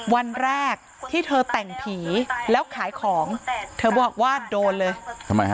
วันแรกที่เธอแต่งผีแล้วขายของเธอบอกว่าโดนเลยทำไมฮะ